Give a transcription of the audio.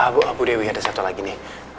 bu dewi ada satu lagi nih